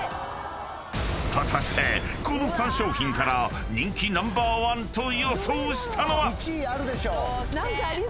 ［果たしてこの３商品から人気ナンバーワンと予想したのは］